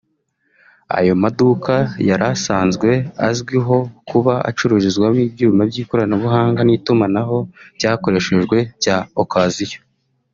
Ayo maduka yari asanzwe azwiho kuba acururizwamo ibyuma by’ikoranabuhanga n’itumanaho byakoreshejwe (bya Occasion)